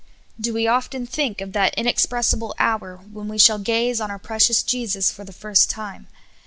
Do we often think of that inexpressible hour when we shall gaze on our precious Jesus for the first time